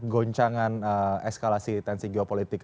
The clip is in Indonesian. goncangan eskalasi tensi geopolitik